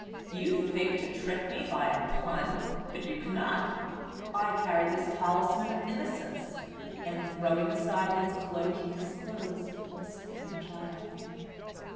"You think to trick me by a pun; but you cannot. I carry this talisman of innocence," and throwing aside his cloak, he disclosed the sleeping child.